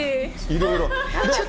いろいろ。